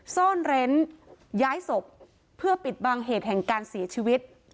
ซ่อนเร้นย้ายศพเพื่อปิดบังเหตุแห่งการเสียชีวิต